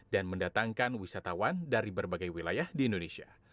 mendatangkan wisatawan dari berbagai wilayah di indonesia